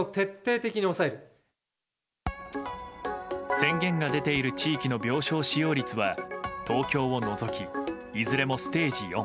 宣言が出ている地域の病床使用率は、東京を除きいずれもステージ４。